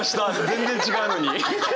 全然違うのに。